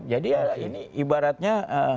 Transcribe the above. jadi ya ini ibaratnya